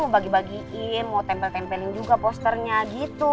bagi bagiin mau tempel tempelin juga posternya gitu